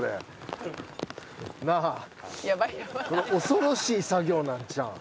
恐ろしい作業なんちゃうん？